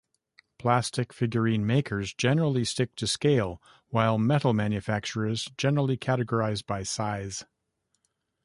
Plastic figurine makers generally stick to scale, while metal manufacturers generally categorize by size.